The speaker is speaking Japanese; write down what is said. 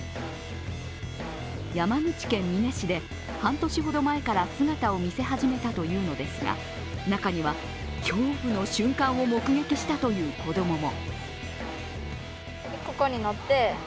山口県美祢市で半年ほど前から姿を見せ始めたというのですが中には恐怖の瞬間を目撃したという子供も。